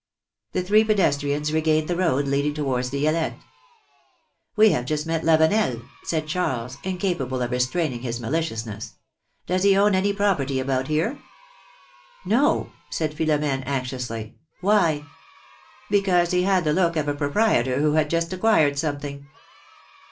'^ The three pedestrians regained the road leading towards Di Alette. ^^We have just met Lavenel,'^ said Charles, incapable of restraining his maliciousness. Does he own any property about here?^^ Yo,'^ said Philomene, anxiously. ^^Why?^^ Because he had the look of a proprietor who has just acquired something.